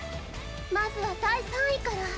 まずは第３位から。